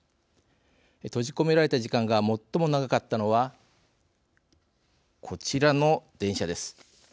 閉じ込められた時間が最も長かったのはこちらの電車です。